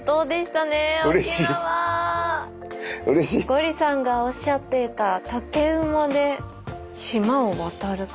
ゴリさんがおっしゃってた竹馬で島を渡る方。